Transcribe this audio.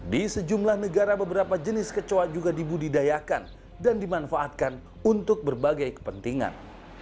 di sejumlah negara beberapa jenis kecoa juga dibudidayakan dan dimanfaatkan untuk berbagai kepentingan